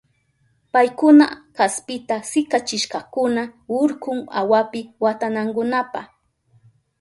Paykuna kaspita sikachishkakuna urkun awapi watanankunapa.